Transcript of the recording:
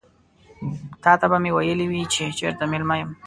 تاته به مې ويلي وي چې چيرته مېلمه یم.